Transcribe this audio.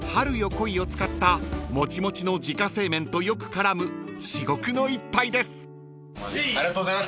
恋を使ったもちもちの自家製麺とよく絡む至極の一杯です］